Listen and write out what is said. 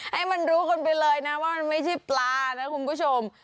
ให้มันรู้กันไปเลยนะว่ามันไม่ใช่ปลานะคุณผู้ชม